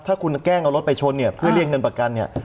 ถ้าคุณแกล้งเอารถไปชนเพื่อเลี่ยงเงินประกัน